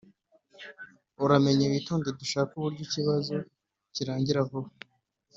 uramenye witonde dushake uburyo ikibazo kirangira vuba